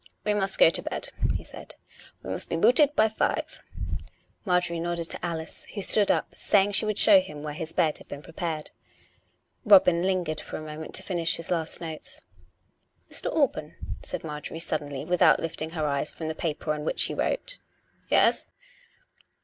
" We must go to bed," he said. " We must be booted by five." Marjorie nodded to Alice, who stood up, saying she would show him where his bed had been prepared. Robin lingered for a moment to finish his last notes. " Mr. Alban," said Marjorie suddenly, without lifting her eyes from the paper on which she wrote. "Yes?"